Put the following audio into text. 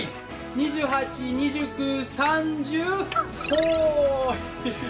２８２９３０ほい。